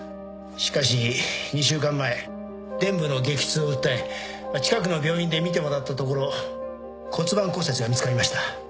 しかし２週間前臀部の激痛を訴え近くの病院で診てもらったところ骨盤骨折が見つかりました。